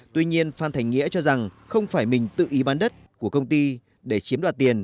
tuy nhiên phan thành nghĩa cho rằng không phải mình tự ý bán đất của công ty để chiếm đoạt tiền